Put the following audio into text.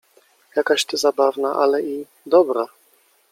— Jakaś ty zabawna… ale i dobra!